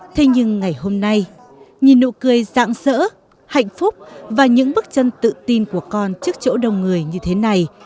thế nhưng ngày hôm nay nhìn nụ cười dạng dỡ hạnh phúc và những bước chân tự tin của con trước chỗ đông người như thế này